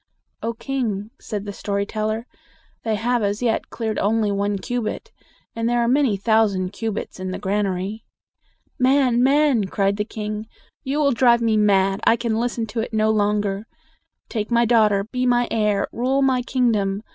"O king!" said the story teller, "they have as yet cleared only one cubit; and there are many thousand cubits in the granary." "Man, man!" cried the king, "you will drive me mad. I can listen to it no longer. Take my daughter; be my heir; rule my kingdom.